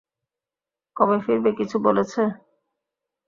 কবে ফিরবে কিছু বলেছে?